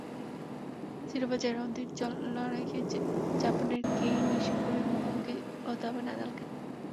শিরোপা জয়ের অন্তিম লড়াইয়ে জাপানের কেই নিশিকোরির মুখোমুখি হতে হবে নাদালকে।